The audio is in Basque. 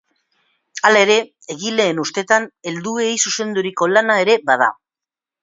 Halere, egileen ustetan, helduei zuzenduriko lana ere bada.